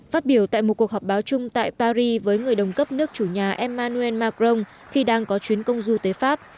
phát biểu tại một cuộc họp báo chung tại paris với người đồng cấp nước chủ nhà emmanuel macron khi đang có chuyến công du tới pháp